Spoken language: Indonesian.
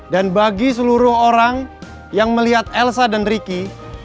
dan bagi seluruh orang yang melihat elsa dan ricky